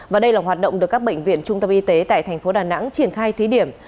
và đây là hoạt động được các bệnh viện trung tâm y tế tại thành phố đà nẵng triển khai thí điểm